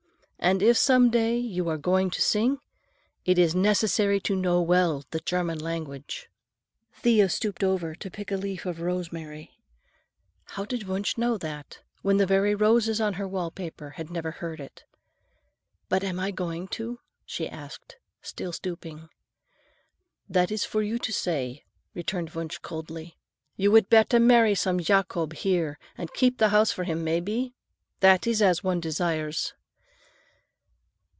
And if some day you are going to sing, it is necessary to know well the German language." Thea stooped over to pick a leaf of rosemary. How did Wunsch know that, when the very roses on her wall paper had never heard it? "But am I going to?" she asked, still stooping. "That is for you to say," returned Wunsch coldly. "You would better marry some Jacob here and keep the house for him, may be? That is as one desires."